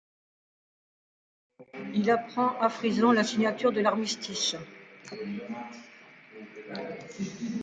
Il apprend à Frizon la signature de l'armistice.